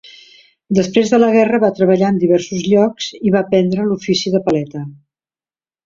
Després de la guerra va treballar en diversos llocs i va aprendre l'ofici de paleta.